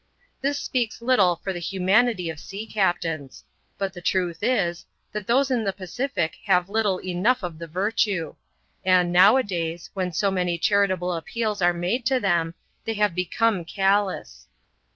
This speaks little for the humanity of sea captains ; but the truth is, that those in the Pacific have little enough of the virtue ; and, now a days, when so many charitable appeals are made to them, they have be come callous.